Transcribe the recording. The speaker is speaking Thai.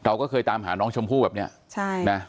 เราก็เคยตามหาน้องชมพู่แบบเนี้ยใช่นะ